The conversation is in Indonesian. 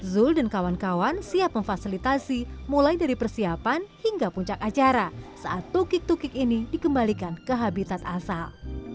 zul dan kawan kawan siap memfasilitasi mulai dari persiapan hingga puncak acara saat tukik tukik ini dikembalikan ke habitat asal